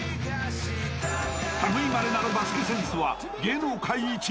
［類いまれなるバスケセンスは芸能界一］